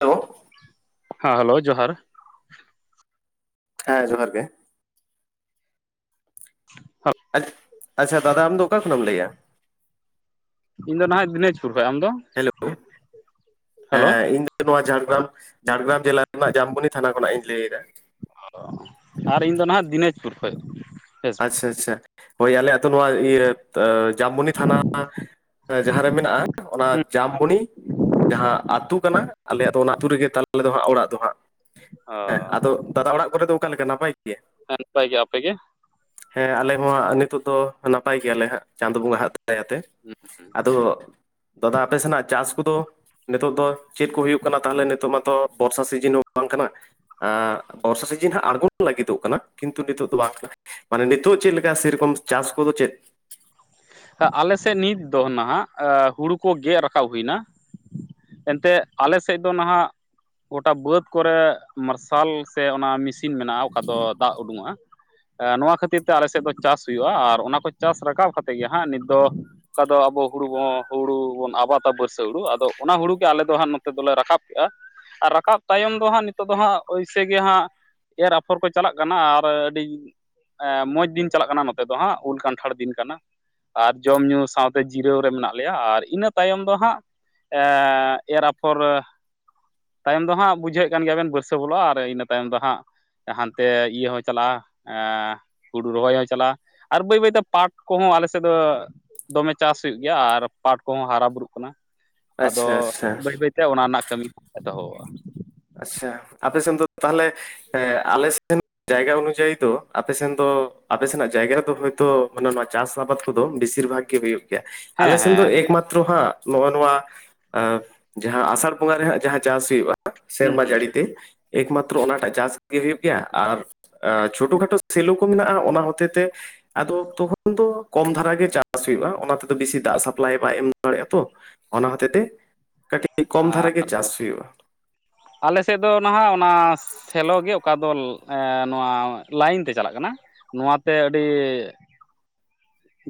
Hello ᱦᱮᱸ hello ᱡᱚᱦᱟᱨ ᱦᱮᱸ ᱡᱚᱦᱟᱨ ᱜᱮ! [unintelligible] ᱟᱪᱪᱷᱟ ᱫᱟᱫᱟ ᱟᱢᱫᱚ ᱚᱠᱟ ᱠᱷᱚᱱᱟᱢ ᱞᱟᱹᱭᱮᱜᱼᱟ᱾ ᱤᱧ ᱫᱚ ᱱᱟᱦᱟᱸᱜ ᱫᱤᱱᱟᱡᱽᱯᱩᱨ ᱠᱷᱚᱡ, ᱟᱢ ᱫᱚ᱾ ᱦᱮᱞᱳ, ᱦᱮᱞᱳ ᱦᱮᱸ ᱤᱧ ᱫᱚ ᱤ ᱱᱚᱣᱟ ᱡᱷᱟᱲᱜᱨᱟᱢ ᱡᱷᱟᱲᱜᱨᱟᱢ ᱡᱮᱞᱟ ᱨᱮᱱᱟᱜ ᱡᱟᱢᱵᱚᱱᱤ ᱛᱷᱟᱱᱟ ᱠᱷᱚᱱᱟᱜ ᱤᱧ ᱞᱟᱹᱭ ᱮᱫᱟ᱾ ᱚ ᱟᱨ ᱤᱧᱫᱚ ᱱᱟᱦᱟᱸᱜ ᱫᱤᱱᱟᱡᱽᱯᱩᱨ ᱠᱷᱚᱡ᱾ ᱵᱮᱥ ᱟᱪᱪᱷᱟ ᱟᱪᱪᱷᱟ ᱦᱳᱭ ᱟᱞᱮ ᱟᱹᱛᱩ ᱱᱚᱣᱟ ᱤᱭᱟᱹ ᱡᱟᱢᱢᱚᱱᱤ ᱛᱷᱟᱱᱟ, ᱡᱟᱦᱟᱸ ᱨᱮ ᱢᱮᱱᱟᱜᱼᱟ ᱚᱱᱟ ᱡᱟᱢᱵᱚᱱᱤ ᱡᱟᱦᱟᱸ ᱟᱛᱳ ᱠᱟᱱᱟ᱾ ᱟᱞᱮᱭᱟᱜ ᱫᱚ ᱚᱱᱟ ᱟᱹᱛᱩ ᱨᱮᱜᱮ ᱛᱟᱞᱮ ᱫᱚ ᱚᱲᱟᱜ ᱫᱚ ᱦᱟᱸᱜ ᱚ ᱦᱮᱸ ᱟᱫᱚ! ᱫᱟᱫᱟ ᱚᱲᱟᱜ ᱠᱚᱨᱮ ᱫᱚ ᱚᱠᱟ ᱞᱮᱠᱟ ᱱᱟᱯᱟᱭ ᱜᱮᱭᱟ? ᱦᱮᱸ ᱱᱟᱯᱟᱭ ᱜᱮ, ᱟᱯᱮᱜᱮ? ᱦᱮᱸ ᱟᱞᱮ ᱢᱟ ᱱᱤᱛᱚᱜ ᱫᱚ ᱱᱟᱯᱟᱭ ᱜᱮᱭᱟᱞᱮ ᱦᱟᱸᱜ ᱪᱟᱸᱫᱚ ᱵᱚᱸᱜᱟ ᱦᱟᱜ ᱫᱟᱭᱟᱛᱮ᱾ ᱟᱫᱚ ᱫᱟᱫᱟ ᱟᱯᱮ ᱥᱮᱱᱟᱜ ᱪᱟᱥ ᱠᱚᱫᱚ ᱱᱤᱛᱚᱜ ᱫᱚ ᱪᱮᱫ ᱠᱚ ᱦᱩᱭᱩᱜ ᱠᱟᱱᱟ ᱛᱟᱦᱚᱞᱮ ᱱᱤᱛᱚᱜ ᱢᱟᱛᱚ᱾ ᱵᱚᱨᱥᱟ ᱥᱤᱡᱤᱱ ᱦᱚᱸ ᱵᱟᱝ ᱠᱟᱱᱟ! ᱵᱚᱨᱥᱟ ᱥᱤᱡᱤᱱ ᱦᱟᱸᱜ ᱟᱬᱜᱚᱱ ᱞᱟᱹᱜᱤᱫᱚᱜ ᱠᱟᱱᱟ, ᱠᱤᱱᱛᱩ ᱱᱤᱛᱚᱜ ᱫᱚ ᱵᱟᱝ ᱠᱟᱱᱟ᱾ ᱢᱟᱱᱮ ᱱᱤᱛᱚᱜ ᱪᱮᱫ ᱞᱮᱠᱟ, ᱥᱮᱨᱚᱠᱚᱢ ᱪᱟᱥ ᱠᱚᱫᱚ ᱪᱮᱫ! ᱟᱞᱮᱥᱮᱫ ᱱᱤᱛ ᱫᱚ ᱱᱟᱦᱟᱜ, ᱦᱩᱲᱩ ᱠᱚ ᱜᱮᱫ ᱨᱟᱠᱟᱵ ᱦᱩᱭ ᱮᱱᱟ᱾ ᱮᱱᱛᱮᱫ ᱟᱞᱮ ᱥᱮᱫ ᱫᱚ ᱱᱟᱦᱟᱜ! ᱜᱚᱴᱟ ᱵᱟᱹᱫᱽ ᱠᱚᱨᱮ ᱢᱟᱨᱥᱟᱞ ᱥᱮ ᱚᱱᱟ ᱢᱮᱥᱤᱱ ᱢᱮᱱᱟᱜᱼᱟ, ᱚᱠᱟ ᱫᱚ ᱫᱟᱜ ᱩᱰᱩᱠᱚᱜᱼᱟ᱾ ᱱᱚᱣᱟ ᱠᱷᱟᱹᱛᱤᱨ ᱛᱮ ᱟᱞᱮ ᱥᱮᱫ ᱫᱚ ᱪᱟᱥ ᱦᱩᱭᱩᱜᱼᱟ, ᱟᱨ ᱚᱱᱟ ᱠᱚ ᱪᱟᱥ ᱨᱟᱠᱟᱵ ᱠᱟᱛᱮᱫ ᱜᱮ ᱦᱟᱸᱜ ᱱᱤᱛ ᱫᱚ᱾ ᱚᱠᱟ ᱫᱚ ᱟᱵᱚ ᱦᱩᱲᱩ ᱵᱚᱱ ᱦᱩᱲᱩ ᱵᱚᱱ ᱟᱵᱟᱛᱟ ᱵᱟᱹᱨᱥᱟᱹ ᱦᱩᱲᱩ ᱟᱫᱚ ᱚᱱᱟ ᱦᱩᱲᱩ ᱜᱮ ᱟᱞᱮ ᱫᱚ ᱦᱟᱸᱜ ᱱᱚᱛᱮ ᱫᱚᱞᱮ ᱨᱟᱠᱟᱵ ᱠᱮᱫᱼᱟ᱾ ᱟᱨ ᱨᱟᱠᱟᱵ ᱛᱟᱭᱚᱢ ᱫᱚ ᱦᱟᱸᱜ ᱱᱤᱛᱚᱜ ᱫᱚ ᱦᱟᱸᱜ ᱳᱭᱥᱮ ᱜᱮ ᱦᱟᱸᱜ ᱮᱨ ᱟᱯᱷᱚᱨ ᱠᱚ ᱪᱟᱞᱟᱜ ᱠᱟᱱᱟ ᱟᱨ ᱟᱹᱰᱤ, ᱢᱚᱸᱡᱽ ᱫᱤᱱ ᱪᱟᱞᱟᱜ ᱠᱟᱱᱟ, ᱱᱚᱛᱮ ᱫᱚ ᱦᱟᱸᱜ ᱩᱞ ᱠᱟᱱᱴᱷᱟᱲ ᱫᱤᱱ ᱠᱟᱱᱟ᱾ ᱟᱨ ᱡᱚᱢ ᱧᱩᱩ ᱥᱟᱶᱛᱮ ᱡᱤᱨᱟᱹᱣ ᱨᱮ ᱢᱮᱱᱟᱜ ᱞᱮᱭᱟ ᱟᱨ ᱤᱱᱟᱹ ᱛᱟᱭᱚᱢ ᱫᱚ ᱦᱟᱸᱜ᱾ ᱮ ᱮᱨ ᱟᱯᱷᱚᱨ ᱛᱟᱭᱚᱢ ᱫᱚ ᱦᱟᱸᱜ ᱵᱩᱡᱷᱟᱹᱜ ᱠᱟᱱ ᱜᱮᱭᱟ ᱵᱮᱱ ᱵᱟᱹᱨᱥᱟᱹ ᱵᱚᱞᱚᱜᱼᱟ ᱟᱨ ᱤᱱᱟᱹ ᱛᱟᱭᱚᱢ ᱫᱚ ᱦᱟᱸᱜ ᱦᱟᱱᱛᱮ ᱤᱭᱟᱹ ᱦᱚᱸ ᱪᱟᱞᱟᱜᱼᱟ᱾ᱦᱩᱲᱩ ᱨᱚᱦᱚᱭ ᱦᱚᱸ ᱪᱟᱞᱟᱜᱼᱟ ᱟᱨ ᱵᱟᱹᱭ ᱵᱟᱹᱭᱛᱮ ᱯᱟᱴ! ᱠᱚᱦᱚᱸ ᱟᱞᱮᱥᱮᱫ ᱫᱚ ᱫᱚᱢᱮ ᱪᱟᱥ ᱦᱩᱭᱩᱜ ᱜᱮᱭᱟ ᱟᱨ ᱯᱟᱴ ᱠᱚᱦᱚᱸ ᱦᱟᱨᱟ ᱵᱩᱨᱩᱜ ᱠᱟᱱᱟ᱾ ᱟᱫᱚ ᱟᱪᱪᱷᱟ ᱟᱪᱪᱷᱟ ᱵᱟᱹᱭ ᱵᱟᱹᱭᱛᱮ ᱚᱱᱟ ᱨᱮᱱᱟᱜ ᱠᱟᱹᱢᱤ ᱮᱛᱚᱦᱚᱼᱟ᱾ ᱟᱪᱪᱷᱟ ᱟᱯᱮᱥᱮᱱ ᱫᱚ ᱛᱟᱦᱚᱞᱮ ᱟᱞᱮ ᱥᱮᱱ! ᱡᱟᱭᱜᱟ ᱚᱱᱩᱡᱟᱭᱤ ᱫᱚ ᱟᱯᱮᱥᱮᱱ ᱫᱚ ᱟᱯᱮ ᱥᱮᱱᱟᱜ ᱡᱟᱭᱜᱟ ᱨᱮᱫᱚ ᱦᱭᱛᱳ ᱢᱮ ᱱᱚᱣᱟ ᱪᱟᱥ ᱟᱵᱟᱫ, ᱠᱚᱫᱚ ᱵᱮᱥᱤᱨ ᱵᱷᱟᱜᱽ ᱜᱮ ᱦᱩᱭᱩᱜ ᱜᱮᱭᱟ ᱟᱞᱮ ᱦᱮᱸ ᱥᱮᱱ ᱫᱚ ᱦᱮᱸ ᱮᱠᱢᱟᱛᱨᱚ ᱦᱟᱸᱜ, ᱱᱚᱜᱼᱚ ᱱᱚᱣᱟ ᱡᱟᱦᱟᱸ ᱟᱥᱟᱲ ᱵᱚᱸᱜᱟ ᱨᱮᱦᱟᱸᱜ ᱡᱟᱦᱟᱸ ᱪᱟᱥ ᱦᱩᱭᱩᱜᱼᱟ᱾ ᱦᱩᱸ ᱥᱮᱨᱢᱟ ᱦᱩᱸ ᱡᱟᱹᱲᱤᱛᱮ ᱮᱠᱢᱟᱛᱨᱚ ᱚᱱᱟᱴᱟᱜ ᱪᱟᱥᱜ ᱦᱩᱭᱩᱜ ᱜᱮᱭᱟ ᱟᱨ, ᱪᱷᱳᱴᱳ ᱠᱷᱟᱴᱳ ᱥᱮᱞᱚ ᱠᱚ ᱢᱮᱱᱟᱜᱼᱟ ᱚᱱᱟ ᱦᱚᱛᱮ ᱛᱮ ᱟᱫᱚ ᱛᱚᱠᱷᱚᱱ ᱫᱚ ᱠᱚᱢ ᱫᱷᱟᱨᱟ ᱜᱮ ᱪᱟᱥ ᱦᱩᱭᱩᱜᱼᱟ ᱚᱱᱟ ᱛᱮᱫᱚ ᱵᱮᱥᱤ ᱫᱟᱜ ᱥᱟᱯᱞᱟᱭ ᱵᱟᱭ ᱮᱢ ᱫᱟᱲᱮᱭᱟᱜᱼᱟ ᱛᱚ᱾ ᱚᱱᱟ ᱦᱚᱛᱮ ᱛᱮ ᱠᱟᱹᱴᱤᱡᱽ ᱠᱚᱢ ᱫᱷᱟᱨᱟ ᱜᱮ ᱪᱟᱥ ᱦᱩᱭᱩᱜᱼᱟ᱾ ᱟᱞᱮᱥᱮᱫ ᱫᱚ ᱱᱟᱦᱟᱸᱜ ᱚᱱᱟ ᱥᱮᱞᱚᱜ ᱜᱮ ᱚᱠᱟ ᱫᱚ ᱱᱚᱣᱟ ᱞᱟᱹᱭᱤᱱ ᱛᱮ ᱪᱟᱞᱟᱜ ᱠᱟᱱᱟ᱾ ᱱᱚᱣᱟ ᱛᱮ ᱟᱹᱰᱤ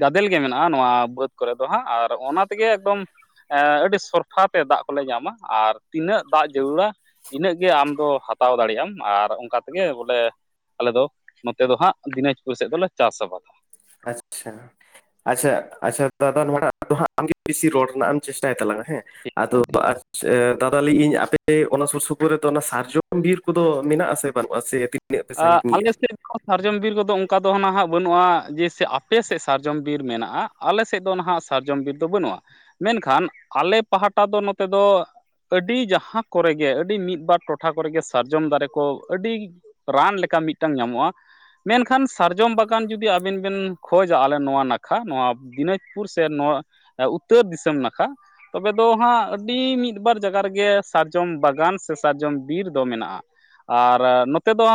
ᱜᱟᱫᱮᱞ ᱜᱮ ᱢᱮᱱᱟᱜᱼᱟ ᱱᱚᱣᱟ ᱵᱟᱹᱫᱽ ᱠᱚᱨᱮ ᱫᱚ ᱦᱟᱸᱜ ᱟᱨ ᱚᱱᱟ ᱛᱮᱜᱮ ᱮᱠᱫᱚᱢ᱾ ᱟᱹᱰᱤ ᱥᱚᱨᱯᱷᱟ ᱛᱮ ᱫᱟᱜ ᱠᱚᱞᱮ ᱧᱟᱢᱟ ᱟᱨ ᱛᱤᱱᱟᱹᱜ ᱫᱟᱜ ᱡᱟᱹᱨᱩᱲᱟ᱾ ᱤᱱᱟᱹᱜ ᱜᱮ ᱟᱢ ᱫᱚ ᱦᱟᱛᱟᱣ ᱫᱟᱲᱮᱭᱟᱜ ᱟᱢ ᱟᱨ ᱚᱱᱠᱟ ᱛᱮᱜᱮ ᱵᱚᱞᱮ, ᱟᱞᱮ ᱫᱚ ᱱᱚᱛᱮ ᱫᱚ ᱦᱟᱸᱜ ᱫᱤᱱᱟᱡᱽᱯᱩᱨ ᱥᱮᱫ ᱫᱚᱞᱮ ᱪᱟᱥ ᱟᱵᱟᱫᱟ᱾ ᱟᱪᱪᱷᱟ ᱟᱪᱪᱷᱟ ᱟᱪᱪᱷᱟ ᱫᱟᱫᱟ ᱱᱚᱣᱟ ᱴᱟᱜ ᱫᱚ ᱦᱟᱸᱜ ᱟᱢᱜᱮ ᱵᱤᱥᱤ ᱨᱚᱲ ᱨᱮᱱᱟᱜ ᱮᱢ ᱪᱮᱥᱴᱟᱭ ᱛᱟᱞᱟᱝ ᱟ᱾ ᱦᱮᱸ ᱟᱫᱚ ᱟᱡ, ᱫᱟᱫᱟ ᱞᱟᱹᱭ ᱤ ᱟᱹᱧ ᱟᱯᱮ ᱚᱱᱟ ᱥᱩᱨ ᱥᱩᱯᱩᱨ ᱨᱮᱫᱚ ᱥᱟᱨᱡᱚᱢ ᱵᱤᱨ ᱠᱚᱫᱚ ᱢᱮᱱᱟᱜ-ᱟ ᱥᱮ ᱵᱟᱹᱱᱩᱜ-ᱟ ᱥᱮ᱾ ᱛᱤᱱᱟᱹᱜ ᱯᱮ ᱥᱟᱺᱜᱤᱧ ᱜᱮᱭᱟ ᱟᱞᱮ ᱥᱮᱫ ᱥᱟᱨᱡᱚᱢ ᱵᱤᱨ ᱠᱚᱫᱚ ᱚᱱᱠᱟ ᱫᱚ ᱱᱟᱦᱟᱸᱜ ᱵᱟᱹᱱᱩᱜ-ᱟ᱾ ᱡᱮᱥᱮ ᱟᱯᱮᱥᱮᱫ ᱥᱟᱨᱡᱚᱢ ᱵᱤᱨ ᱢᱮᱱᱟᱜ-ᱟ᱾ ᱟᱞᱮ ᱥᱮᱫ ᱫᱚ ᱱᱟᱦᱟᱸᱜ ᱥᱟᱨᱡᱚᱢ ᱵᱤᱨ ᱫᱚ ᱵᱟᱹᱱᱩᱜᱼᱟ᱾ ᱢᱮᱱᱠᱷᱟᱱ ᱟᱞᱮ ᱯᱟᱦᱴᱟ ᱫᱚ ᱱᱚᱛᱮ ᱫᱚ, ᱟᱹᱰᱤ ᱡᱟᱸᱦᱟ ᱠᱚᱨᱮᱜᱮ ᱟᱹᱰᱤ ᱢᱤᱫ ᱵᱟᱨ ᱴᱚᱴᱷᱟ ᱠᱚᱨᱮᱜᱮ ᱥᱟᱨᱡᱚᱢ ᱫᱟᱨᱮ ᱠᱚ ᱟᱹᱰᱤ ᱨᱟᱱ ᱞᱮᱠᱟ ᱢᱤᱫᱴᱟᱝ ᱧᱟᱢᱚᱜ-ᱟ᱾ ᱢᱮᱱᱠᱷᱟᱱ ᱥᱟᱨᱡᱚᱢ ᱵᱟᱜᱟᱱ ᱡᱩᱫᱤ ᱟᱵᱤᱱ ᱵᱮᱱ ᱠᱷᱚᱡᱟ ᱟᱞᱮ ᱱᱚᱣᱟ ᱱᱟᱠᱷᱟ, ᱱᱚᱣᱟ ᱫᱤᱱᱟᱡᱽᱯᱩᱨ ᱥᱮ ᱱᱚᱣᱟ, ᱩᱛᱛᱚᱨ ᱫᱤᱥᱚᱢ ᱱᱟᱠᱷᱟ᱾ ᱛᱚᱵᱮ ᱫᱚ ᱦᱟᱸᱜ ᱟᱹᱰᱤ ᱢᱤᱫ ᱵᱟᱨ ᱡᱟᱭᱜᱟ ᱨᱮᱜᱮ ᱥᱟᱨᱡᱚᱢ ᱵᱟᱜᱟᱱ ᱥᱮ ᱥᱟᱨᱡᱚᱢ ᱵᱤᱨ ᱫᱚ ᱢᱮᱱᱟᱜᱼᱟ᱾ ᱟᱨ ᱱᱚᱛᱮ ᱫᱚ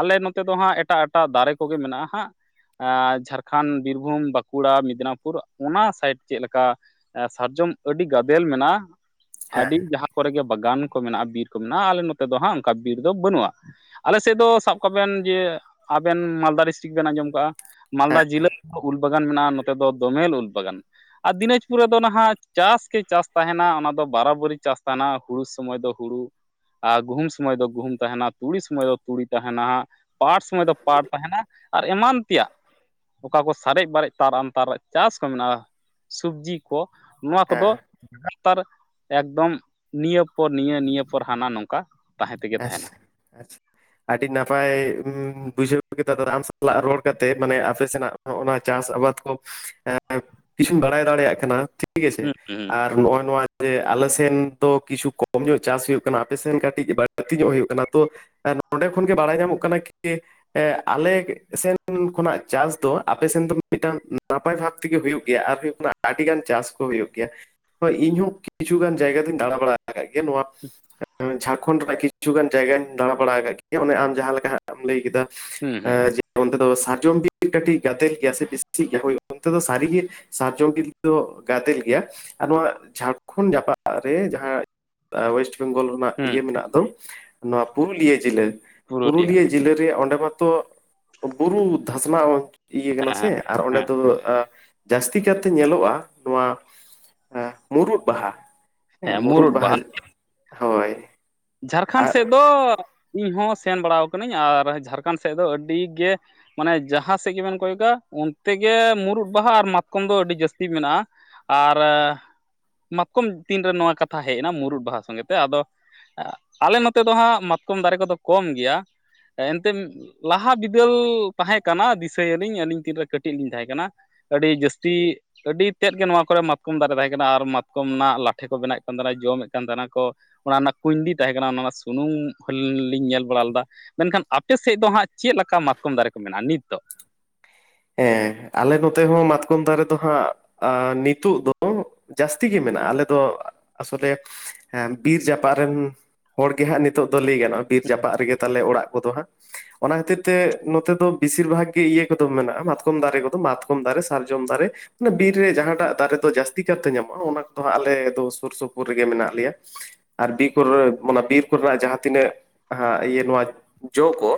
ᱟᱞᱮ ᱱᱚᱛᱮ ᱫᱚ ᱦᱟᱸᱜ ᱮᱴᱟᱜ ᱮᱴᱟᱜ ᱫᱟᱨᱮ ᱠᱚᱜᱮ ᱢᱮᱱᱟᱜᱼᱟ ᱦᱟᱸᱜ ᱡᱷᱟᱲᱠᱷᱚᱸᱰ, ᱵᱤᱨᱵᱷᱩᱢ, ᱵᱟᱸᱠᱩᱲᱟ, ᱢᱮᱫᱽᱱᱟᱯᱩᱨ ᱚᱱᱟ ᱥᱟᱭᱤᱰ ᱪᱮᱫ ᱞᱮᱠᱟ, ᱥᱟᱨᱡᱚᱢ ᱟᱹᱰᱤ ᱜᱟᱫᱮᱞ ᱢᱮᱱᱟᱜ-ᱟ᱾ ᱦᱮᱸ ᱟᱹᱰᱤ ᱡᱟᱦᱟᱸ ᱠᱚᱨᱮ ᱜᱮ ᱵᱟᱜᱟᱱ ᱠᱚ ᱢᱮᱱᱟᱜ-ᱟ, ᱵᱤᱨ ᱠᱚ ᱢᱮᱱᱟᱜ-ᱟ ᱟᱞᱮ ᱱᱚᱛᱮ ᱫᱚ ᱦᱟᱸᱜ ᱚᱱᱠᱟ ᱵᱤᱨ ᱫᱚ ᱵᱟᱹᱱᱩᱜ-ᱟ᱾ ᱟᱞᱮ ᱥᱮᱫ ᱫᱚ ᱥᱟᱵ ᱠᱟᱜ ᱵᱮᱱ ᱡᱮ ᱟᱵᱮᱱ ᱢᱟᱞᱫᱟ ᱰᱤᱥᱴᱤᱠ ᱵᱮᱱ ᱟᱸᱡᱚᱢ ᱠᱟᱜ-ᱟ᱾ ᱢᱟᱞᱫᱟ ᱦᱮᱸ ᱡᱤᱞᱟᱹ ᱨᱮ ᱫᱚ ᱩᱞ ᱵᱟᱜᱟᱱ ᱢᱮᱱᱟᱜ-ᱟ᱾ ᱱᱚᱛᱮ ᱫᱚ ᱫᱚᱢᱮᱞ ᱩᱞ ᱵᱟᱜᱟᱱ, ᱟᱨ ᱫᱤᱱᱟᱡᱽᱯᱩᱨ ᱨᱮᱫᱚ ᱱᱟᱦᱟᱸᱜ ᱪᱟᱥ ᱜᱮ ᱪᱟᱥ ᱛᱟᱸᱦᱮᱱᱟ ᱚᱱᱟ ᱫᱚ ᱵᱟᱨᱟᱵᱟᱨᱤ ᱪᱟᱥ ᱛᱟᱸᱦᱮᱱᱟ ᱦᱩᱲᱩ ᱥᱚᱢᱚᱭ ᱫᱚ, ᱦᱩᱲᱩ ᱟᱨ ᱜᱩᱦᱩᱢ ᱥᱚᱢᱚᱭ ᱫᱚ ᱜᱩᱦᱩᱢ ᱛᱟᱸᱦᱮᱱᱟ ᱛᱩᱲᱤ ᱥᱚᱢᱚᱭ ᱫᱚ, ᱛᱩᱲᱤ ᱛᱟᱸᱦᱮᱱᱟ, ᱯᱟᱴ ᱥᱚᱢᱚᱭ ᱫᱚ ᱯᱟᱴ ᱛᱟᱸᱦᱮᱱᱟ ᱟᱨ ᱮᱢᱟᱱ ᱛᱮᱭᱟᱜ, ᱚᱠᱟ ᱠᱚ ᱥᱟᱨᱮᱡ ᱵᱟᱨᱮᱡ ᱛᱟᱨᱟᱢ ᱛᱟᱨ ᱪᱟᱥ ᱠᱚ ᱢᱮᱱᱟᱜᱼᱟ᱾ ᱥᱚᱵᱡᱤ ᱠᱚ ᱱᱚᱣᱟ ᱦᱮᱸ ᱠᱚᱫᱚ, ᱰᱟᱠᱛᱟᱨ ᱮᱠᱫᱚᱢ ᱱᱤᱭᱟᱹ ᱯᱚᱨ ᱱᱤᱭᱟᱹ ᱱᱤᱭᱟᱹ ᱯᱚᱨ ᱦᱟᱱᱟ ᱱᱚᱝᱠᱟ᱾ ᱛᱟᱦᱮᱸ ᱛᱮᱜᱮ ᱛᱟᱦᱮᱱᱟ ᱟᱪᱪᱷᱟ ᱟᱪᱪᱷᱟ, ᱟᱹᱰᱤ ᱱᱟᱯᱟᱭ ᱵᱩᱡᱷᱟᱹᱣ ᱠᱮᱫᱟ ᱟᱢ ᱥᱟᱞᱟᱜ ᱨᱚᱲ ᱠᱟᱛᱮ ᱢᱟᱱᱮ ᱟᱯᱮ ᱥᱮᱱᱟᱜ, ᱚᱱᱟ ᱪᱟᱥ ᱟᱵᱟᱫᱽ ᱠᱚ ᱠᱤᱪᱷᱩᱧ ᱵᱟᱲᱟᱭ ᱫᱟᱲᱮᱭᱟᱜ ᱠᱟᱱᱟ᱾ ᱴᱷᱤᱠ ᱟᱪᱷᱮ ᱦᱩᱸ ᱦᱩᱸ ᱟᱨ ᱱᱚᱜ-ᱚᱭ ᱱᱚᱣᱟ, ᱡᱮ ᱟᱞᱮ ᱥᱮᱱ ᱫᱚ ᱠᱤᱪᱷᱩ ᱠᱚᱢ ᱧᱚᱜ ᱪᱟᱥ ᱦᱩᱭᱩᱜ ᱠᱟᱱᱟ ᱟᱯᱮ ᱥᱮᱱ ᱠᱟᱹᱴᱤᱡ ᱵᱟᱹᱲᱛᱤ ᱧᱚᱜ ᱦᱩᱭᱩᱜ ᱠᱟᱱᱟ ᱛᱚ, ᱱᱚᱸᱰᱮ ᱠᱷᱚᱱᱜᱮ ᱵᱟᱲᱟᱭ ᱧᱟᱢᱚᱜ ᱠᱟᱱᱟ ᱠᱤ, ᱟᱞᱮ ᱥᱮᱱ ᱠᱷᱚᱱᱟᱜ ᱪᱟᱥ ᱫᱚ ᱟᱯᱮ ᱥᱮᱱ ᱫᱚ ᱢᱤᱫᱴᱟᱝ ᱱᱟᱯᱟᱭ ᱵᱷᱟᱵ ᱛᱮᱜᱮ ᱦᱩᱭᱩᱜ ᱜᱮᱭᱟ ᱟᱨ ᱦᱩᱭᱩᱜ, ᱟᱹᱰᱤᱜᱟᱱ ᱪᱟᱥ ᱠᱚ ᱦᱩᱭᱩᱜ ᱜᱮᱭᱟ᱾ ᱦᱳ ᱤᱧᱦᱚᱸ ᱠᱤᱪᱷᱩᱜᱟᱱ ᱡᱟᱭᱜᱟ ᱫᱩᱧ ᱫᱟᱬᱟ ᱵᱟᱲᱟ ᱟᱠᱟᱫ ᱜᱮᱭᱟ ᱱᱚᱣᱟ, [unintelligible] ᱡᱷᱟᱨᱠᱷᱚᱱᱰ ᱨᱮᱭᱟᱜ ᱠᱤᱪᱷᱩᱜᱟᱱ ᱡᱟᱭᱜᱟᱹᱧ ᱫᱟᱸᱬᱟ ᱵᱟᱲᱟ ᱟᱠᱟᱫ ᱜᱮᱭᱟ ᱾ ᱟᱢ ᱡᱟᱸᱦᱟ ᱞᱮᱠᱟ ᱮᱢ ᱞᱟᱹᱭ ᱠᱮᱫᱟ ᱦᱩᱸ ᱦᱩᱸ ᱡᱮ ᱚᱱᱛᱮ ᱫᱚ ᱥᱟᱨᱡᱚᱢ ᱵᱤᱨ ᱠᱟᱹᱴᱤᱡ ᱜᱟᱫᱮᱞ ᱜᱮᱭᱟ ᱥᱮ ᱵᱮᱥᱤ ᱜᱮᱭᱟ ᱚᱱᱛᱮ ᱫᱚ ᱥᱟᱹᱨᱤᱜᱮ ᱥᱟᱨᱡᱚᱢ ᱵᱤᱞ ᱫᱚ ᱜᱟᱫᱮᱞ ᱜᱮᱭᱟ ᱟᱨ ᱱᱚᱣᱟ ᱡᱷᱟᱲᱠᱷᱚᱸᱰ ᱡᱟᱯᱟᱜ ᱨᱮ ᱡᱟᱸᱦᱟ ᱳᱭᱮᱥᱴ ᱵᱮᱝᱜᱚᱞ ᱦᱩᱸ ᱤᱭᱟᱹ ᱢᱮᱱᱟᱜ ᱫᱚ ᱱᱚᱣᱟ ᱯᱩᱨᱩᱞᱤᱭᱟᱹ ᱡᱮᱞᱟᱹ ᱾ ᱯᱩᱨᱩᱞᱤᱭᱟᱹ ᱡᱮᱞᱟᱹᱨᱮ ᱚᱸᱰᱮ ᱢᱟᱛᱚ ᱵᱩᱨᱩ ᱫᱷᱟᱥᱱᱟ ᱤᱭᱟᱹ ᱠᱟᱱᱟ ᱦᱮᱸ ᱥᱮ ᱦᱮᱸ ᱟᱨ ᱚᱸᱰᱮ ᱦᱮᱸ ᱫᱚ ᱡᱟᱹᱥᱛᱤ ᱠᱟᱨᱛᱮ ᱧᱮᱞᱚᱜ-ᱟ᱾ ᱱᱚᱣᱟ ᱢᱩᱨᱩᱫ ᱵᱟᱦᱟ ᱦᱮᱸ ᱢᱩᱨᱩᱫ ᱵᱟᱦᱟ ᱦᱳᱭ ᱡᱷᱟᱲᱠᱷᱚᱸᱰ ᱟᱨ ᱥᱮᱫ ᱫᱚ ᱤᱧᱦᱚᱸ ᱥᱮᱱ ᱵᱟᱲᱟᱣ ᱠᱟᱹᱱᱟᱹᱧ ᱟᱨ ᱡᱷᱟᱲᱠᱷᱚᱸᱰ ᱥᱮᱫ ᱫᱚ ᱟᱹᱰᱤᱜᱮ ᱢᱟᱱᱮ ᱡᱟᱸᱦᱟ ᱥᱮᱫ ᱜᱮᱵᱮᱱ ᱠᱚᱭᱚᱜᱟ ᱚᱱᱛᱮ ᱜᱮ ᱢᱩᱨᱩᱫ ᱵᱟᱦᱟ ᱟᱨ ᱢᱟᱛᱠᱚᱢ ᱫᱚ ᱟᱹᱰᱤ ᱡᱟᱹᱥᱛᱤ ᱢᱮᱱᱟᱜᱼᱟ ᱾ ᱟᱨ ᱢᱟᱛᱠᱚᱢ ᱛᱤᱱᱨᱮ ᱱᱚᱣᱟ ᱠᱟᱛᱷᱟ ᱦᱮᱡ ᱮᱱᱟ ᱢᱩᱨᱩᱫ ᱵᱟᱦᱟ ᱥᱚᱸᱜᱮ ᱛᱮ ᱟᱫᱚ ᱟᱞᱮ ᱱᱚᱛᱮ ᱫᱚ ᱦᱟᱜ ᱢᱟᱛᱠᱚᱢ ᱫᱟᱨᱮ ᱠᱚᱫᱚ ᱠᱚᱢ ᱜᱮᱭᱟ᱾ ᱮᱱᱛᱮᱫ ᱞᱟᱦᱟ ᱵᱤᱫᱟᱹᱞ ᱛᱟᱸᱦᱮ ᱠᱟᱱᱟ ᱫᱤᱥᱟᱹ ᱭᱟᱹᱞᱤᱧ ᱟᱹᱞᱤᱧ ᱛᱤᱱᱨᱮ ᱠᱟᱹᱴᱤᱡ ᱞᱤᱧ ᱛᱟᱸᱦᱮ ᱠᱟᱱᱟ ᱾ ᱟᱹᱰᱤ ᱡᱟᱹᱥᱛᱤ ᱾ ᱟᱹᱰᱤ ᱛᱮᱫ ᱜᱮ ᱱᱚᱣᱟ ᱠᱚᱨᱮ ᱢᱟᱛᱠᱚᱢ ᱫᱟᱨᱮ ᱛᱟᱸᱦᱮ ᱠᱟᱱᱟ ᱟᱨ ᱢᱟᱛᱠᱚᱢ ᱨᱮᱱᱟᱜ ᱞᱟᱴᱷᱮ ᱠᱚ ᱵᱮᱱᱟᱣ ᱭᱮᱫ ᱠᱟᱱ ᱛᱟᱸᱦᱮᱱᱟ ᱡᱚᱢᱮᱫ ᱠᱟᱱ ᱛᱟᱸᱦᱮᱱᱟ ᱠᱚ ᱾ ᱚᱱᱟ ᱨᱮᱱᱟᱜ ᱠᱩᱭᱰᱤ ᱛᱟᱸᱦᱮ ᱠᱟᱱᱟ ᱚᱱᱟ ᱨᱮᱱᱟᱜ ᱥᱩᱱᱩᱢ ᱞᱤᱧ ᱧᱮᱞ ᱵᱟᱲᱟ ᱞᱮᱫᱟ ᱾ ᱢᱮᱱᱠᱷᱟᱱ ᱟᱯᱮ ᱥᱮᱫ ᱫᱚ ᱦᱟᱜ ᱪᱮᱫ ᱞᱮᱠᱟ ᱢᱟᱛᱠᱚᱢ ᱫᱟᱨᱮ ᱠᱚ ᱢᱮᱱᱟᱜᱼᱟ ᱱᱤᱛᱚ? ᱦᱮᱸ ᱟᱞᱮ ᱱᱚᱛᱮ ᱦᱚᱸ ᱢᱟᱛᱠᱚᱢ ᱫᱟᱨᱮ ᱫᱚ ᱦᱟᱸᱜ ᱱᱤᱛᱚᱜ ᱫᱚ ᱡᱟᱹᱥᱛᱤ ᱜᱮ ᱢᱮᱱᱟᱜᱼᱟ ᱟᱞᱮ ᱫᱚ ᱟᱥᱚᱞᱮ ᱦᱮᱸ ᱵᱤᱨ ᱡᱟᱯᱟᱜᱫ ᱨᱮᱱ ᱦᱚᱲ ᱜᱮᱦᱟᱸᱜ ᱱᱤᱛᱚᱜ ᱫᱚ ᱞᱟᱹᱭ ᱜᱟᱱᱚᱜᱼᱟ ᱾ ᱵᱤᱨ ᱡᱟᱯᱟᱜ ᱨᱮᱜᱮ ᱛᱟᱞᱮ ᱚᱲᱟᱜ ᱠᱚᱫᱚ ᱦᱟᱸᱜ ᱾ ᱚᱱᱟ ᱠᱷᱟᱹᱛᱤᱨ ᱛᱮ ᱱᱚᱛᱮ ᱫᱚ ᱵᱤᱥᱤᱨ ᱵᱷᱟᱜᱽ ᱜᱮ ᱤᱭᱟᱹ ᱠᱚᱫᱚ ᱢᱮᱱᱟᱜᱼᱟ ᱢᱟᱛᱠᱚᱢ ᱫᱟᱨᱮ ᱠᱚᱫᱚ ᱾ ᱢᱟᱛᱠᱚᱢ ᱫᱟᱨᱮ, ᱥᱟᱨᱡᱚᱢ ᱫᱟᱨᱮ ᱵᱤᱨ ᱨᱮ ᱡᱟᱦᱟᱸᱴᱟᱜ ᱫᱟᱨᱮ ᱫᱚ ᱡᱟᱹᱥᱛᱤ ᱠᱟᱨᱛᱮ ᱧᱟᱢᱚᱜᱼᱟ ᱚᱱᱟ ᱠᱚᱫᱚᱟᱸᱜ ᱟᱞᱮ ᱫᱚ ᱥᱩᱨ ᱥᱩᱯᱩᱨ ᱨᱮᱜᱮ ᱢᱮᱱᱟᱜ ᱞᱮᱭᱟ ᱾ ᱟᱨ ᱵᱤᱨ ᱠᱚᱨᱮ ᱢᱟᱱᱮ ᱵᱤᱨ ᱠᱚᱨᱮᱱᱟᱜ ᱡᱟᱦᱟᱸ ᱛᱤᱱᱟᱹᱜ ᱤᱭᱟᱹ ᱱᱚᱣᱟ ᱡᱚ ᱠᱚ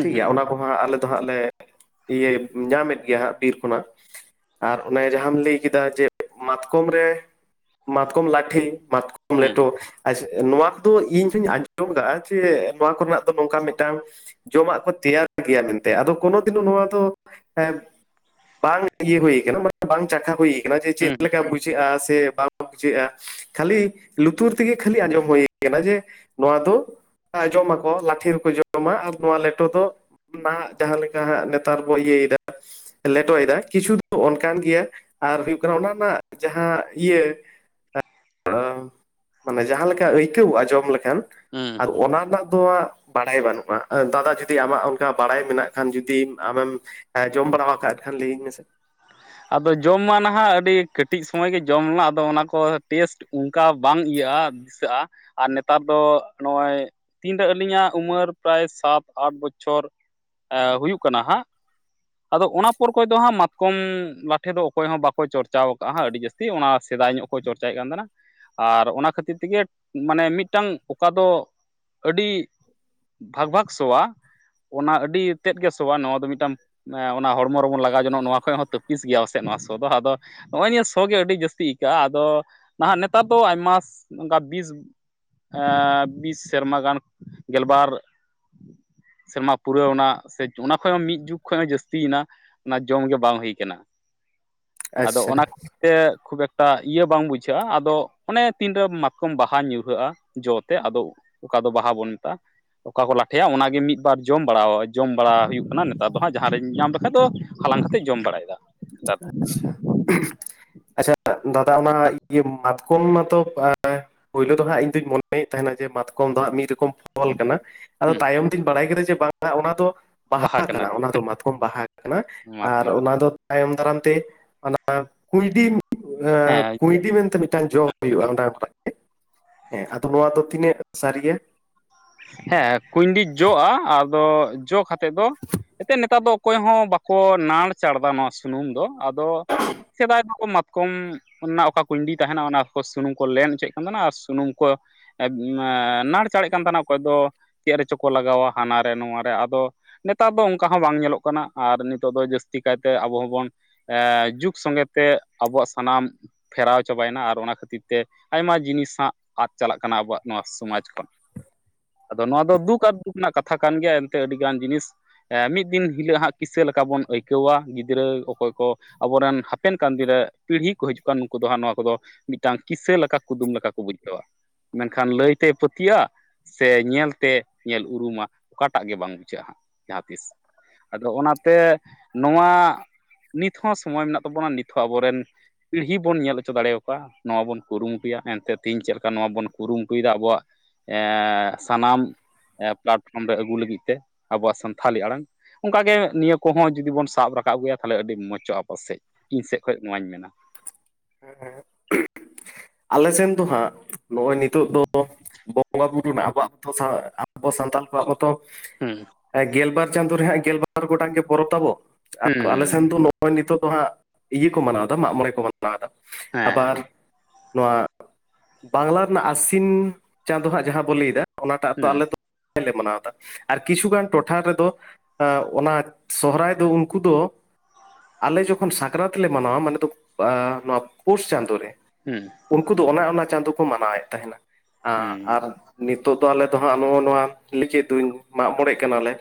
ᱴᱷᱤᱠ ᱜᱮᱭᱟ, ᱚᱱᱟ ᱠᱚᱦᱟᱸᱜ ᱟᱞᱮ ᱫᱚ ᱦᱟᱸᱜ ᱞᱮ ᱤᱭᱟᱹ ᱧᱟᱢᱮᱫ ᱜᱮᱭᱟ ᱦᱟᱸᱜ ᱵᱤᱨ ᱠᱷᱚᱱᱟᱜ ᱾ ᱟᱨ ᱚᱱᱮ ᱡᱟᱦᱟᱸᱟᱢ ᱞᱟᱹᱭ ᱠᱮᱫᱟ ᱡᱮ ᱢᱟᱛᱠᱚᱢ ᱨᱮ ᱢᱟᱛᱠᱚᱢ ᱞᱟᱴᱷᱮ, ᱢᱟᱛᱠᱚᱢ ᱦᱩᱸ ᱢᱞᱮᱴᱚ ᱟᱪᱪᱷᱟ ᱱᱚᱣᱟ ᱠᱚᱫᱚ ᱤᱧ ᱦᱚᱧ ᱟᱸᱡᱚᱢ ᱠᱟᱜ-ᱟ, ᱡᱮ ᱱᱚᱣᱟ ᱠᱚᱨᱮᱱᱟᱜ ᱫᱚ ᱱᱚᱝᱠᱟ ᱢᱤᱫᱴᱟᱝ ᱡᱚᱢᱟᱜ ᱠᱚ ᱛᱮᱭᱟᱨ ᱜᱮᱭᱟ ᱢᱮᱱᱛᱮ ᱟᱫᱚ ᱠᱳᱱᱳ ᱫᱤᱱᱚ ᱱᱚᱣᱟ ᱫᱚ ᱦᱮᱸ ᱵᱟᱝ ᱤᱭᱟᱹ ᱦᱩᱭ ᱠᱟᱱᱟ ᱢᱟᱱᱮ ᱵᱟᱝ ᱪᱟᱠᱷᱟ ᱦᱩᱭ ᱠᱟᱱᱟ ᱡᱮ ᱪᱮᱫ ᱦᱩᱸ ᱦᱩᱸ ᱞᱮᱠᱟ ᱵᱩᱡᱷᱼ ᱵᱩᱡᱷᱟᱹᱜᱼᱟ ᱥᱮ ᱵᱟᱝ ᱵᱩᱡᱷᱟᱹᱜᱼᱟ ᱠᱷᱟᱹᱞᱤ ᱞᱩᱛᱩᱨ ᱛᱮᱜᱮ ᱠᱷᱟᱹᱞᱤ ᱟᱸᱡᱚᱢ ᱦᱩᱭ ᱠᱟᱱᱟ ᱡᱮ ᱱᱚᱣᱟ ᱫᱚ ᱡᱚᱢᱟᱠᱚ, ᱞᱟᱴᱷᱷᱮ ᱨᱮᱠᱚ ᱡᱚᱢᱟ ᱟᱨ ᱱᱚᱣᱟ ᱞᱮᱴᱚ ᱫᱚ ᱱᱟ ᱡᱟᱦᱟᱸᱮ ᱞᱮᱠᱟ ᱦᱟᱸᱜ ᱱᱮᱛᱟᱨ ᱠᱚ ᱤᱭᱟᱹᱭ ᱫᱟ ᱞᱮᱴᱚᱭᱫᱟ ᱠᱤᱪᱷᱩ ᱫᱚ ᱚᱱᱠᱟᱱ ᱜᱮᱭᱟ ᱟᱨ ᱦᱩᱭᱩᱜ ᱠᱟᱱᱟ ᱚᱱᱟ ᱨᱮᱱᱟᱜ ᱡᱟᱦᱟᱸ ᱤᱭᱟᱹ [inaudible] ᱢᱟᱱᱮ ᱡᱟᱦᱟᱸᱮ ᱞᱮᱠᱟ ᱟᱹᱭᱠᱟᱹᱣᱚᱜᱼᱟ ᱡᱚᱢ ᱞᱮᱠᱷᱟᱱ ᱦᱩᱸ ᱟᱨ ᱦᱩᱸ ᱚᱱᱟ ᱨᱮᱱᱟᱜ ᱫᱚ ᱵᱟᱲᱟᱭ ᱵᱟᱹᱱᱩᱜᱼᱟ ᱫᱟᱫᱟ ᱡᱩᱫᱤ ᱟᱢᱟᱜ ᱚᱱᱠᱟ ᱵᱟᱲᱟᱭ ᱢᱮᱱᱟᱜ ᱠᱷᱟᱱ ᱡᱩᱫᱤ ᱟᱢᱮᱢ ᱦᱮᱸ ᱡᱚᱢ ᱵᱟᱲᱟ ᱟᱠᱟᱫ ᱛᱟᱦᱮᱸᱱ ᱞᱤᱧ ᱟᱫᱚ ᱡᱚᱢ ᱢᱟ ᱱᱟᱦᱟᱜ ᱟᱹᱰᱤ ᱠᱟᱹᱴᱤᱡ ᱥᱚᱢᱚᱭ ᱜᱮ ᱡᱚᱢ ᱞᱮᱱᱟ ᱟᱫᱚ ᱚᱱᱟ ᱠᱚ ᱴᱮᱥᱴ ᱚᱱᱠᱟ ᱵᱟᱝ ᱤᱭᱟᱹᱜᱼᱟ ᱫᱤᱥᱟᱹᱜᱼᱟ ᱟᱨ ᱱᱮᱛᱟᱨ ᱫᱚ ᱱᱚᱜᱼᱚᱭ ᱛᱤᱱᱨᱮ ᱟᱹᱞᱤᱧᱟᱜ ᱩᱢᱮᱨ ᱯᱨᱟᱭ ᱥᱟᱛ ᱟᱴ ᱵᱚᱪᱷᱚᱨ ᱮ ᱦᱩᱭᱩᱜ ᱠᱟᱱᱟ ᱦᱟᱸᱜ ᱟᱫᱚ ᱚᱱᱟ ᱯᱚᱨ ᱠᱷᱚᱡ ᱫᱚ ᱦᱟᱸᱜ ᱢᱟᱛᱠᱚᱢ ᱞᱟᱴᱷᱮ ᱫᱚ ᱚᱠᱚᱭ ᱦᱚᱸ ᱵᱟᱠᱚ ᱪᱚᱨᱪᱟᱣ ᱟᱠᱟᱜᱼᱟ ᱾ ᱟᱹᱰᱤ ᱡᱟᱹᱥᱛᱤ ᱚᱱᱟ ᱥᱮᱫᱟᱭ ᱧᱚᱜ ᱠᱚ ᱪᱚᱨᱪᱟᱭᱮᱫ ᱠᱟᱱ ᱛᱟᱦᱮᱱᱟ ᱾ ᱟᱨ ᱚᱱᱟ ᱠᱷᱟᱹᱛᱤᱨ ᱛᱮᱜᱮ ᱢᱟᱱᱮ ᱢᱤᱫᱴᱟᱱ ᱚᱠᱟ ᱫᱚ ᱟᱹᱰᱤ ᱵᱷᱟᱜᱽ ᱵᱷᱟᱜᱽ ᱥᱚᱣᱟ ᱚᱱᱟ ᱟᱹᱰᱤ ᱛᱮᱫ ᱜᱮ ᱥᱚᱣᱟ ᱾ ᱱᱚᱣᱟ ᱫᱚ ᱢᱤᱫᱴᱟᱝ ᱚᱱᱟ ᱦᱚᱲᱢᱚ ᱨᱮᱵᱚᱱ ᱞᱟᱜᱟᱣ ᱡᱚᱱᱚᱜᱼᱟ ᱱᱚᱣᱟ ᱠᱷᱚᱡ ᱦᱚᱸ ᱛᱤᱥ ᱜᱮᱭᱟ ᱯᱟᱥᱮᱡ ᱱᱚᱣᱟ ᱥᱚ ᱫᱚ ᱾ ᱟᱫᱚ ᱱᱚᱜᱼᱚᱭ ᱱᱤᱭᱟᱹ ᱥᱳ ᱜᱮ ᱟᱹᱰᱤ ᱡᱟᱹᱥᱛᱤ ᱟᱹᱭᱠᱟᱹᱜᱼᱟ ᱾ ᱟᱫᱚ ᱱᱟᱦᱟᱜ ᱱᱮᱛᱟᱨ ᱫᱚ ᱟᱭᱢᱟ ᱚᱱᱠᱟ ᱵᱤᱥ ᱵᱤᱥ ᱥᱮᱨᱢᱟ ᱜᱟᱱ ᱜᱮᱞᱵᱟᱨ ᱥᱮᱨᱢᱟ ᱯᱩᱨᱟᱹᱣ ᱮᱱᱟ ᱥᱮ ᱚᱱᱟ ᱠᱷᱚᱡ ᱦᱚᱸ ᱢᱤᱫ ᱡᱩᱜᱽ ᱠᱷᱚᱡ ᱦᱚᱸ ᱡᱟᱹᱥᱛᱤᱭᱮᱱᱟ ᱚᱱᱟ ᱡᱚᱢ ᱜᱮ ᱵᱟᱝ ᱦᱩᱭ ᱟᱫᱚ ᱟᱪᱪᱷᱟ ᱚᱱᱟ ᱛᱮ ᱠᱷᱩᱵ ᱮᱠᱴᱟ ᱤᱭᱟᱹ ᱵᱟᱝ ᱵᱩᱡᱷᱟᱹᱜᱼᱟ ᱟᱫᱚ ᱚᱱᱮ ᱛᱤᱱ ᱨᱮ ᱢᱟᱛᱠᱚᱢ ᱵᱟᱦᱟ ᱧᱩᱨᱦᱟᱹᱜᱼᱟ ᱡᱚ ᱛᱮ ᱟᱫᱚ ᱚᱠᱟ ᱫᱚ ᱵᱟᱦᱟ ᱵᱚᱱ ᱢᱮᱛᱟᱜᱼᱟ ᱚᱠᱟ ᱠᱚ ᱞᱟᱴᱷᱮᱭᱟ ᱚᱱᱟ ᱜᱮ ᱢᱤᱫᱵᱟᱨ ᱡᱚᱢ ᱵᱟᱲᱟ ᱡᱚᱢ ᱵᱟᱲᱟ ᱦᱩᱭᱩᱜ ᱠᱟᱱᱟ ᱱᱮᱛᱟᱨ ᱫᱚ ᱦᱟᱸᱜ ᱡᱟᱦᱟᱸ ᱨᱤᱧ ᱧᱟᱢ ᱞᱮᱠᱷᱟᱡ ᱫᱚ ᱦᱟᱞᱟᱝ ᱠᱟᱛᱮᱜ ᱡᱚᱢ ᱵᱟᱲᱟᱭᱮᱫᱟ ᱱᱮᱛᱟᱨ ᱫᱚ ᱟᱪᱪᱷᱟ ᱟᱪᱪᱷᱟ ᱫᱟᱫᱟ ᱚᱱᱟ ᱤᱭᱟᱹ ᱢᱟᱛᱠᱚᱢ ᱢᱟᱛᱚ ᱯᱳᱭᱞᱳ ᱫᱚ ᱦᱟᱸᱜ ᱤᱧᱫᱩᱧ ᱢᱚᱱᱮᱭᱮᱫ ᱛᱟᱦᱮᱸᱱᱟ ᱡᱮ ᱢᱟᱛᱠᱚᱢ ᱫᱟᱜ ᱢᱤᱫ ᱨᱚᱠᱚᱢ ᱯᱷᱚᱞ ᱠᱟᱱᱟ ᱟᱫᱚ ᱦᱩᱸ ᱛᱟᱭᱚᱢ ᱛᱤᱧ ᱵᱟᱲᱟᱭ ᱠᱮᱫᱟ ᱡᱮ ᱵᱟᱝ ᱚᱱᱟ ᱫᱚ ᱵᱟᱦᱟ ᱠᱟᱱᱟ ᱚᱱᱟ ᱫᱚ ᱢᱟᱛᱠᱚᱢ ᱵᱟᱦᱟ ᱠᱟᱱᱟ ᱟᱨ ᱢᱟᱛᱠᱚᱢ ᱵᱟᱦᱟ ᱚᱱᱟ ᱫᱚ ᱛᱟᱭᱚᱢ ᱫᱟᱨᱟᱢ ᱛᱮ ᱚᱱᱟ ᱠᱩᱭᱰᱤ ᱦᱮᱸ ᱠᱩᱭ ᱰᱤ ᱢᱮᱱᱛᱮ ᱢᱤᱫᱴᱟᱝ ᱡᱚ ᱦᱩᱭᱩᱜᱼᱟ ᱚᱱᱟ ᱦᱮᱸ ᱟᱫᱚ ᱱᱚᱣᱟ ᱫᱚ ᱛᱤᱱᱟᱹᱜ ᱥᱟᱹᱨᱤᱭᱟ ᱦᱮᱸ ᱠᱩᱭᱰᱤ ᱡᱚᱜᱼᱟ ᱟᱫᱚ ᱡᱚ ᱠᱟᱛᱮᱫ ᱫᱚ ᱮᱱᱛᱮᱫ ᱱᱮᱛᱟᱨ ᱫᱚ ᱚᱠᱚᱭ ᱦᱚᱸ ᱵᱟᱠᱚ ᱱᱟᱲ ᱪᱟᱬᱫᱟ ᱱᱚᱣᱟ ᱥᱩᱱᱩᱢ ᱫᱚ ᱟᱫᱚ ᱥᱮᱫᱟᱭ ᱫᱚᱠᱚ ᱠᱚᱢ ᱨᱮᱱᱟᱜ ᱚᱠᱟ ᱠᱩᱩᱭᱰᱤ ᱛᱟᱦᱮᱸᱱᱟ ᱚᱱᱟ ᱠᱚ ᱥᱩᱱᱩᱢ ᱠᱚ ᱞᱮᱱ ᱦᱚᱪᱚᱭᱮᱫ ᱠᱟᱱ ᱛᱟᱦᱮᱸᱱᱟ ᱟᱨ ᱥᱩᱱᱩᱢ ᱠᱚ ᱱᱟᱲ ᱪᱟᱬᱮᱜ ᱠᱟᱱ ᱛᱟᱦᱮᱸᱱᱟ ᱚᱠᱚᱭ ᱫᱚ ᱪᱮᱫ ᱨᱮᱪᱚ ᱠᱚ ᱞᱟᱜᱟᱣᱟ ᱦᱟᱱᱟ ᱨᱮ ᱱᱚᱣᱟ ᱨᱮ ᱟᱫᱚ ᱱᱮᱛᱟᱨ ᱫᱚ ᱚᱱᱠᱟ ᱦᱚᱸ ᱵᱟᱝ ᱧᱮᱞᱚᱜ ᱠᱟᱱᱟ ᱟᱨ ᱱᱤᱛᱚᱜ ᱫᱚ ᱡᱟᱹᱥᱛᱤ ᱠᱟᱭᱛᱮ ᱟᱵᱚ ᱦᱚᱸᱵᱚᱱ ᱮ ᱡᱩᱜᱽ ᱥᱚᱸᱜᱮ ᱛᱮ ᱟᱵᱚᱣᱟᱜ ᱥᱟᱱᱟᱢ ᱯᱷᱮᱨᱟᱣ ᱪᱟᱵᱟᱭᱮᱱᱟ ᱟᱨ ᱚᱱᱟ ᱠᱷᱟᱹᱛᱤᱨ ᱛᱮ ᱟᱭᱢᱟ ᱡᱤᱱᱤᱥ ᱦᱟᱜ ᱟᱫ ᱪᱟᱞᱟᱜ ᱠᱟᱱᱟ ᱟᱵᱚᱣᱟᱜ ᱱᱚᱣᱟ ᱥᱚᱢᱟᱡᱽ ᱠᱷᱚᱱ ᱟᱫᱚ ᱱᱚᱣᱟ ᱫᱚ ᱫᱩᱠ ᱟᱨ ᱫᱩᱠ ᱨᱮᱱᱟᱜ ᱠᱟᱛᱷᱟ ᱠᱟᱱ ᱜᱮᱭᱟ ᱮᱱᱛᱮ ᱟᱹᱰᱤᱜᱟᱱ ᱡᱤᱱᱤᱥ ᱢᱤᱫ ᱫᱤᱱ ᱦᱤᱞᱳᱜ ᱦᱟᱸᱜ ᱠᱤᱥᱟᱹ ᱞᱮᱠᱟ ᱵᱚᱱ ᱟᱹᱭᱠᱟᱹᱣᱟ ᱜᱤᱫᱽᱨᱟᱹ ᱚᱠᱚᱭ ᱠᱚ ᱟᱵᱚᱨᱮᱱ ᱦᱟᱯᱮᱱ ᱠᱟᱱ ᱫᱤᱱ ᱨᱮ ᱯᱤᱲᱦᱤ ᱠᱚ ᱦᱤᱡᱩᱜ ᱠᱟᱱ ᱱᱩᱠᱩ ᱫᱚ ᱦᱟᱸᱜ ᱱᱚᱣᱟ ᱠᱚᱫᱚ ᱢᱤᱫᱴᱟᱝ ᱠᱤᱥᱟᱹ ᱞᱮᱠᱟ ᱠᱩᱫᱩᱢ ᱞᱮᱠᱟ ᱠᱚ ᱵᱩᱡᱷᱟᱹᱣᱟ ᱢᱮᱱᱠᱷᱟᱱ ᱞᱟᱹᱭᱛᱮᱭ ᱯᱟᱹᱛᱭᱟᱹᱜᱼᱟ ᱥᱮ ᱧᱮᱞᱛᱮ ᱧᱮᱞ ᱩᱨᱩᱢᱟ ᱚᱠᱟᱴᱟᱜ ᱜᱮ ᱵᱟᱝ ᱵᱩᱡᱷᱟᱹᱜᱼᱟ ᱦᱟᱸᱜ ᱡᱟᱦᱟᱸᱛᱤᱥ ᱟᱫᱚ ᱚᱱᱟᱛᱮ ᱱᱚᱣᱟ ᱱᱤᱛ ᱦᱚᱸ ᱥᱚᱢᱚᱭ ᱢᱮᱱᱟᱜ ᱛᱟᱵᱚᱱᱟ ᱱᱤᱛ ᱦᱚᱸ ᱟᱵᱚᱨᱮᱱ ᱯᱤᱲᱦᱤ ᱵᱚᱱ ᱧᱮᱞ ᱦᱚᱪᱚ ᱫᱟᱲᱮ ᱟᱠᱚᱣᱟ ᱱᱚᱣᱟ ᱵᱚᱱ ᱠᱩᱨᱩᱢᱩᱴᱩᱭᱟ ᱮᱱᱛᱮ ᱛᱤᱦᱤᱧ ᱞᱮᱠᱟ ᱱᱚᱣᱟ ᱵᱚᱱ ᱠᱩᱨᱩᱢᱩᱴᱩᱭᱮᱫᱟ ᱟᱵᱚᱣᱟᱜ ᱥᱟᱱᱟᱢ ᱯᱞᱟᱴᱯᱷᱨᱚᱢ ᱨᱮ ᱟᱹᱜᱩ ᱞᱟᱹᱜᱤᱫ ᱛᱮ ᱟᱵᱚᱣᱟᱜ ᱥᱟᱱᱛᱷᱟᱞᱤ ᱟᱲᱟᱝ ᱚᱱᱠᱟ ᱜᱮ ᱱᱤᱭᱟᱹ ᱠᱚᱦᱚᱸ ᱡᱩᱫᱤ ᱵᱚᱱ ᱥᱟᱵ ᱨᱟᱠᱟᱵ ᱟᱹᱜᱩᱭᱟ ᱛᱟᱦᱚᱞᱮ ᱟᱹᱰᱤ ᱢᱚᱸᱪᱚᱜᱼᱟ ᱟᱯᱟᱥᱮᱫ ᱤᱧ ᱥᱮᱫ ᱠᱷᱚᱡ ᱱᱚᱣᱟᱧ ᱢᱮᱱᱟ ᱦᱮᱸ ᱟᱞᱮ ᱥᱮᱱ ᱫᱚ ᱦᱟᱸᱜ ᱱᱚᱜᱼᱚᱭ ᱱᱤᱛᱚᱜ ᱫᱚ ᱵᱚᱸᱜᱟ ᱵᱩᱨᱩ ᱨᱮᱱᱟᱜ ᱟᱵᱚᱣᱟᱜ ᱚ ᱟᱵᱚ ᱥᱟᱱᱛᱟᱲ ᱠᱚᱣᱟᱜ ᱦᱚᱸᱛᱚ ᱦᱮᱸ ᱜᱮᱞᱵᱟᱨ ᱪᱟᱸᱫᱳ ᱨᱮᱦ ᱦᱟᱜ ᱜᱮᱞᱵᱟᱨ ᱜᱚᱴᱟᱝ ᱜᱮ ᱯᱚᱨᱚᱵᱽ ᱛᱟᱵᱚ ᱦᱩᱸ ᱦᱩᱸ ᱟᱞᱮ ᱥᱮᱱ ᱫᱚ ᱱᱚᱜᱼᱚᱭ ᱱᱤᱛᱚᱜ ᱫᱚ ᱦᱟᱸᱜ ᱤᱭᱟᱹ ᱠᱚ ᱢᱟᱱᱟᱣᱫᱟ ᱢᱟᱜᱽ ᱢᱚᱬᱮ ᱠᱚ ᱢᱟᱱᱟᱣᱫᱟ ᱦᱮᱸ ᱟᱵᱟᱨ ᱱᱚᱣᱟ ᱵᱟᱝᱞᱟ ᱨᱮᱱᱟᱜ ᱟᱥᱤᱱ ᱪᱟᱸᱫᱳ ᱦᱟᱸᱜ ᱡᱟᱦᱟᱸ ᱵᱚᱱ ᱞᱟᱹᱭᱫᱟ ᱚᱱᱟᱴᱟᱜ ᱛᱚ ᱦᱮᱸ ᱟᱞᱮ ᱫᱚ ᱞᱮ ᱢᱟᱱᱟᱣᱫᱟ ᱟᱨ ᱠᱤᱪᱷᱩᱜᱟᱱ ᱴᱚᱴᱷᱟ ᱨᱮᱫᱚ ᱚᱱᱟ ᱥᱚᱦᱨᱟᱭ ᱫᱚ ᱩᱱᱠᱩ ᱫᱚ ᱟᱞᱮ ᱡᱚᱠᱷᱚᱱ ᱥᱟᱠᱨᱟᱛ ᱞᱮ ᱢᱟᱱᱟᱣᱟ ᱢᱟᱱᱮ ᱫᱚ ᱱᱚᱣᱟ ᱯᱳᱥ ᱪᱟᱸᱫᱳ ᱨᱮ ᱦᱮᱸ ᱩᱱᱠᱩ ᱫᱚ ᱚᱱᱮ ᱚᱱᱟ ᱪᱟᱸᱫᱚ ᱠᱚ ᱢᱟᱱᱟᱣᱮᱫ ᱛᱟᱦᱮᱱᱟ ᱦᱩᱸ ᱦᱩᱸ ᱟᱨ ᱱᱤᱛᱚᱜ ᱫᱚ ᱟᱞᱮ ᱫᱚ ᱦᱟᱸᱜ ᱱᱚᱜᱼᱚ ᱱᱚᱣᱟ ᱞᱮᱠᱮᱫ ᱫᱩᱧ ᱢᱟᱜᱽ ᱢᱚᱬᱮᱜ ᱠᱟᱱᱟᱞᱮ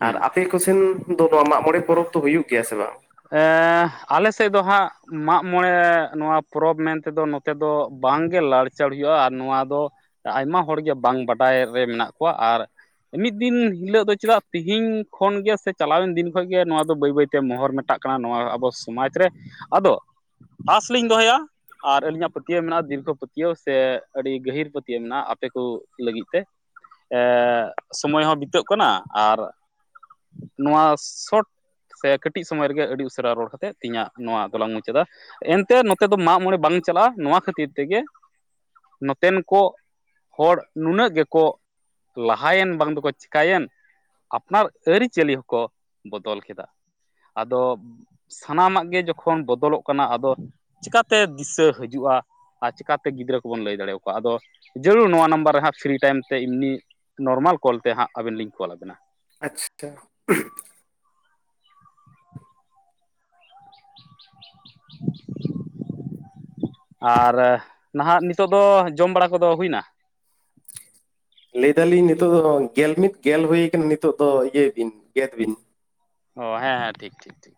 ᱦᱩᱸ ᱟᱨ ᱟᱯᱮ ᱥᱮᱱ ᱫᱚ ᱱᱚᱣᱟ ᱢᱟᱜᱽ ᱢᱚᱬᱮ ᱯᱚᱨᱚᱵᱽ ᱫᱚ ᱦᱩᱭᱩᱜ ᱜᱮᱭᱟ ᱥᱮ ᱵᱟᱝ ᱟᱞᱮ ᱥᱮᱫ ᱫᱚ ᱦᱟᱸᱜ ᱢᱟᱜᱽ ᱢᱚᱬᱮ ᱱᱚᱣᱟ ᱯᱚᱨᱚᱵᱽ ᱢᱮᱱ ᱛᱮᱫᱚ ᱛᱮᱫᱚ ᱵᱟᱝ ᱜᱮ ᱞᱟᱲᱪᱟᱲ ᱦᱩᱭᱩᱜᱼᱟ ᱟᱨ ᱱᱚᱣᱟ ᱫᱚ ᱟᱭᱢᱟ ᱦᱚᱲ ᱜᱮ ᱵᱟᱝ ᱵᱟᱰᱟᱭ ᱨᱮ ᱢᱮᱱᱟᱜ ᱠᱚᱣᱟ ᱟᱨ ᱢᱤᱫ ᱫᱤᱱ ᱦᱤᱞᱳᱜ ᱫᱚ ᱪᱮᱫᱟᱜ ᱛᱤᱦᱤᱧ ᱠᱷᱚᱱ ᱜᱮ ᱥᱮ ᱪᱟᱞᱟᱣᱮᱱ ᱫᱤᱱ ᱠᱷᱚᱱ ᱜᱮ ᱱᱚᱣᱟ ᱫᱚ ᱵᱟᱹᱭ ᱵᱟᱹᱭ ᱛᱮ ᱢᱚᱦᱚᱨ ᱢᱮᱴᱟᱜ ᱠᱟᱱᱟ ᱱᱚᱣᱟ ᱟᱵᱚ ᱥᱚᱢᱟᱡᱽ ᱨᱮ ᱟᱫᱚ ᱟᱥ ᱞᱤᱧ ᱫᱚᱦᱚᱭᱟ ᱟᱨ ᱟᱹᱞᱤᱧᱟᱜ ᱯᱟᱹᱛᱭᱟᱹᱣ ᱢᱮᱱᱟᱜᱼᱟ ᱫᱤᱨᱜᱚ ᱯᱟᱹᱛᱭᱟᱹᱣ ᱥᱮ ᱟᱹᱰᱤ ᱜᱟᱹᱦᱤᱨ ᱯᱟᱹᱛᱭᱟᱹᱣ ᱢᱮᱱᱟᱜᱼᱟ ᱟᱯᱮ ᱠᱚ ᱞᱟᱹᱜᱤᱫ ᱛᱮ ᱥᱚᱢᱚᱭ ᱦᱚᱸ ᱵᱤᱛᱟᱹᱜ ᱠᱟᱱᱟ ᱟᱨ ᱱᱚᱣᱟ ᱥᱚᱴ ᱥᱮ ᱠᱟᱹᱴᱤᱡ ᱥᱚᱢᱚᱭ ᱨᱮᱜᱮ ᱟᱹᱰᱤ ᱩᱥᱟᱹᱨᱟ ᱨᱚᱲ ᱠᱟᱛᱮ ᱛᱮᱦᱮᱧᱟᱹᱜ ᱱᱚᱣᱟ ᱫᱚᱞᱟᱝ ᱢᱩᱪᱟᱹᱫᱟ ᱮᱱᱛᱮ ᱱᱚᱛᱮ ᱫᱚ ᱢᱟᱜ ᱢᱚᱬᱮ ᱵᱟᱝ ᱪᱟᱞᱟᱜ-ᱟ ᱱᱚᱣᱟ ᱠᱷᱟᱹᱛᱤᱨ ᱛᱮᱜᱮ ᱱᱚᱛᱮᱱ ᱠᱚ ᱦᱚᱲ ᱱᱩᱱᱟᱹᱜ ᱜᱮᱠᱚ ᱞᱟᱦᱟᱭᱮᱱ ᱵᱟᱝ ᱫᱚᱠᱚ ᱪᱤᱠᱟᱹᱭᱮᱱ ᱟᱯᱱᱟᱨ ᱟᱹᱨᱤᱪᱟᱹᱞᱤ ᱦᱚᱸᱠᱚ ᱵᱚᱫᱚᱞ ᱠᱮᱫᱟ ᱟᱫᱚ ᱥᱟᱱᱟᱢᱟᱜ ᱜᱮ ᱡᱚᱠᱷᱚᱱ ᱵᱚᱫᱚᱞᱚᱜ ᱠᱟᱱᱟ ᱟᱫᱚ ᱪᱮᱠᱟᱛᱮ ᱫᱤᱥᱟᱹ ᱦᱤᱡᱩᱜ-ᱟ ᱟᱨ ᱪᱤᱠᱟᱛᱮ ᱜᱤᱫᱽᱨᱟᱹ ᱠᱚᱵᱚᱱ ᱞᱟᱹᱭ ᱫᱟᱲᱮᱭᱟᱠᱚᱣᱟ ᱟᱫᱚ ᱡᱟᱹᱨᱩᱲ ᱱᱚᱣᱟ ᱱᱟᱢᱵᱟᱨ ᱨᱮ ᱦᱟᱸᱜ ᱯᱷᱨᱤ ᱴᱟᱭᱤᱢ ᱛᱮ ᱮᱢᱱᱤ ᱱᱚᱨᱢᱟᱞ ᱠᱚᱞ ᱛᱮ ᱦᱟᱸᱜ ᱟᱵᱮᱱ ᱞᱤᱧ ᱠᱚᱞ ᱟᱵᱮᱱᱟ ᱟᱪᱪᱷᱟ ᱟᱨ ᱱᱟᱦᱟᱜ ᱱᱤᱛᱳᱜ ᱫᱚ ᱡᱚᱢ ᱵᱟᱲᱟ ᱠᱚᱫᱚ ᱦᱩᱭᱱᱟ ᱞᱟᱹᱭ ᱫᱟᱞᱤᱧ ᱱᱤᱛᱚᱜ ᱫᱚ ᱜᱮᱞ ᱢᱤᱫ ᱜᱮᱞ ᱦᱩᱭ ᱠᱟᱱᱟ ᱱᱤᱛᱚᱜ ᱫᱚ ᱤᱭᱟᱹᱭ ᱵᱤᱱ ᱜᱮᱫ ᱵᱤᱱ ᱚ ᱦᱮᱸ ᱦᱮᱸ ᱴᱷᱤᱠ ᱴᱷᱤᱠ ᱴᱷᱤᱠ